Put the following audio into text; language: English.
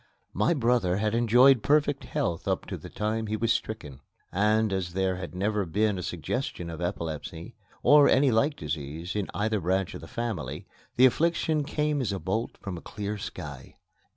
My brother had enjoyed perfect health up to the time he was stricken; and, as there had never been a suggestion of epilepsy, or any like disease, in either branch of the family, the affliction came as a bolt from a clear sky.